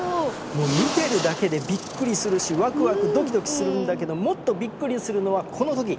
もう見てるだけでびっくりするしワクワクドキドキするんだけどもっとびっくりするのはこの時。